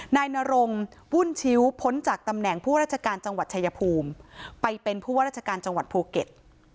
นายนรงวุ่นชิ้วพ้นจากตำแหน่งผู้ราชการจังหวัดชายภูมิไปเป็นผู้ว่าราชการจังหวัดภูเก็ต